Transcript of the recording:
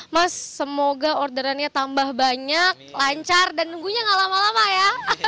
mas semoga orderannya tambah banyak lancar dan nunggunya gak lama lama ya